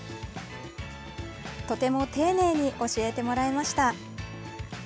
とても丁寧に教えてもらえました。